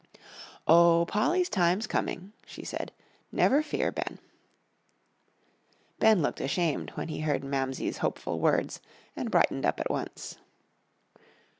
"Oh, Polly's time's coming," she said; "never fear, Ben." Ben looked ashamed when he heard Mamsie's hopeful words, and brightened up at once.